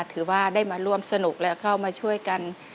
ถือว่าได้มาร่วมสนุกและเข้ามาช่วยกัน